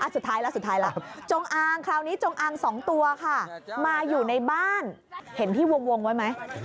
สุดท้ายแล้วสุดท้ายล่ะจงอางคราวนี้จงอาง๒ตัวค่ะมาอยู่ในบ้านเห็นที่วงไว้ไหม